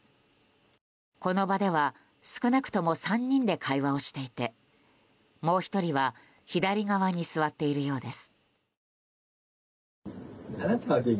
この場では、少なくとも３人で会話をしていてもう１人は左側に座っているようです。